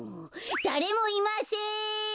だれもいません！